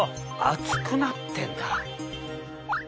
厚くなってんだ。